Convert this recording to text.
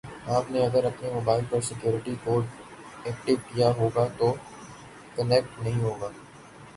آپ نے اگر اپنے موبائل پر سیکیوریٹی کوڈ ایکٹیو کیا ہوا ہوگا تو کنیکٹ نہیں ہوگا